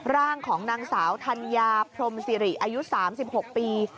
ร่างของนางสาวธัญญาพรมสิริอายุ๓๖ปี